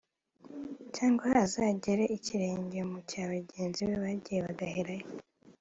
Cyangwa azagera ikirenge mu cya bagenzi be bagiye bagaherayo